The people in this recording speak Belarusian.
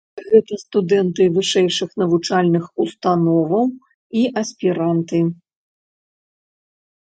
Гэта студэнты вышэйшых навучальных установаў і аспіранты.